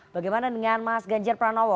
bagaimana dengan mas ganjar pranowo